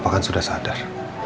papa kan sudah sadar